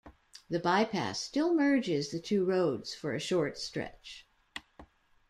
The bypass still merges the two roads for a short stretch.